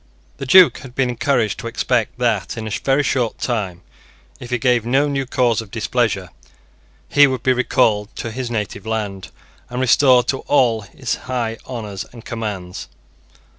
The Duke had been encouraged to expect that, in a very short time, if he gave no new cause of displeasure, he would be recalled to his native land, and restored to all his high honours and commands.